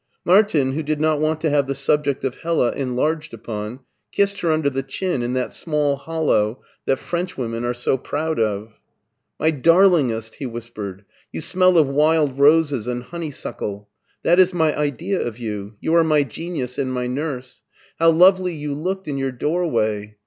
Martin, who did not want to have the subject of Hella enlarged upon, kissed her under the chin in that small hollow that Frenchwomen are so proud of. " My darlingest," he whispered, " you smell of wild roses and honeysuckle. That is my idea of you. You are my genius and my nurse. How lovely you looked in your doorway.